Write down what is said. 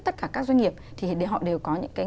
tất cả các doanh nghiệp thì họ đều có những cái